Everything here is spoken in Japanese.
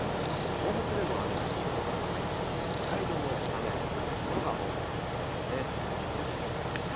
東北でも雨の所があり、北海道も雨の降る所が多くなりそうですね。ですね。